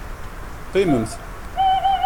Qqimemt!